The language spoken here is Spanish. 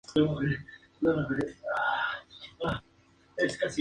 Al norte lo separa del barrio La Peña la calle Quinta.